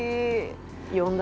呼んだ？